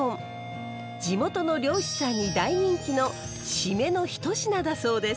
地元の漁師さんに大人気の締めの一品だそうです。